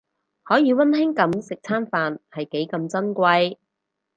可以溫馨噉食餐飯係幾咁珍貴